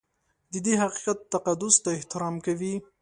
د دې حقیقت تقدس ته احترام کوي.